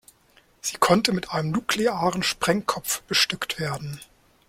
Sie konnte mit einem nuklearen Sprengkopf bestückt werden.